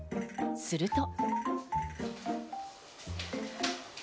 すると。